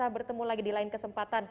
bertemu lagi di lain kesempatan